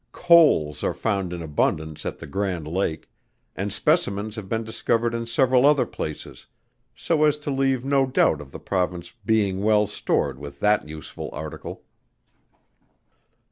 Coals are found in abundance at the Grand Lake, and specimens have been discovered in several other places, so as to leave no doubt of the Province being well stored with that useful article.